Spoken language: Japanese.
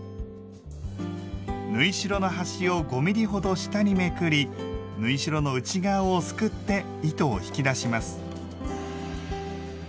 縫い代の端を５ｍｍほど下にめくり縫い代の内側をすくって糸を引き出します。